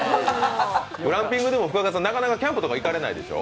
グランピングでもなかなかキャンプとか行かれないでしょう？